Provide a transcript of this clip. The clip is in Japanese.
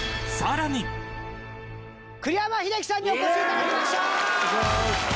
栗山英樹さんにお越し頂きました。